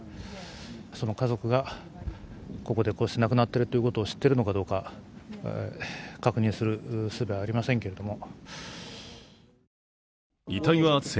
その家族がここでこうして亡くなっているということを知っているのかどうか、確認するすべはありませんけれども。